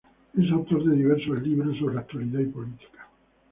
Es autor de diversos libros sobre actualidad y política.